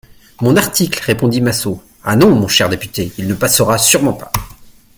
Mon article, répondit Massot, ah ! non, mon cher député, il ne passera sûrement pas.